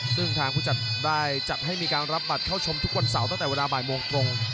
ซึ่งทางผู้จัดได้จัดให้มีการรับบัตรเข้าชมทุกวันเสาร์ตั้งแต่เวลาบ่ายโมงตรง